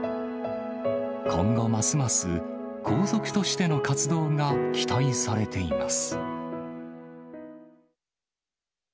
今後、また、ますます皇族としての活動が期待されています。